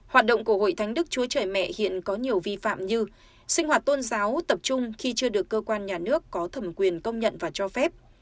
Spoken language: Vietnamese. hoạt động của hội thánh đức chúa trời mẹ hiện có nhiều vi phạm như sinh hoạt tôn giáo tập trung khi chưa được cơ quan nhà nước có thẩm quyền công nhận và cho phép